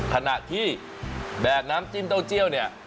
ขณะที่แบบน้ำจิ้มเต้าเจียวเนี่ย